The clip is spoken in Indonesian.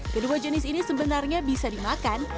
kedua jenis ini sebenarnya bisa dimakan